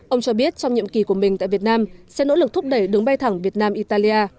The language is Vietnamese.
ông cho biết trong nhiệm kỳ của mình tại việt nam sẽ nỗ lực thúc đẩy đường bay thẳng việt nam italia